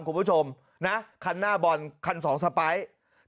คุณผู้ชมนะคันหน้าบอลคันสองสไปร์